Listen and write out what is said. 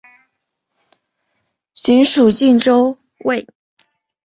寻属靖州卫。